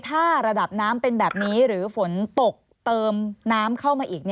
ถ้าระดับน้ำเป็นแบบนี้หรือฝนตกเติมน้ำเข้ามาอีก